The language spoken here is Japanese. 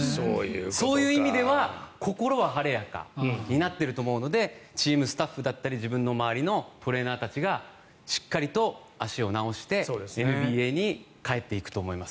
そういう意味では、心は晴れやかになっていると思うのでチームスタッフだったり自分の周りのトレーナーたちがしっかりと足を治してＮＢＡに帰っていくと思います。